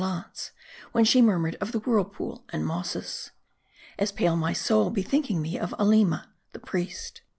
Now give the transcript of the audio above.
glance, when she murmured of the whirlpool and mosses. As pale my soul, bethinking me of Aleema the priest.